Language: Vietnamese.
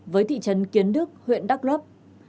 với thị trấn kiến đức huyện đắk lấp